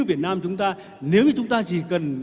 việt nam chúng ta nếu như chúng ta chỉ cần